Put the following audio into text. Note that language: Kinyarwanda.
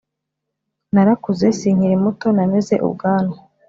narakuze sinkiri muto nameze ubwanwa